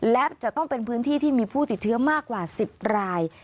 และจะต้องเป็นพื้นที่ที่มีผู้ติดเชื้อมากกว่า๑๐ราย